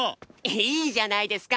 いいじゃないですか。